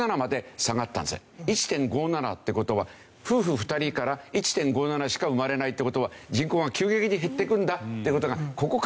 １．５７って事は夫婦２人から１．５７しか生まれないって事は人口が急激に減っていくんだっていう事がここからわかった。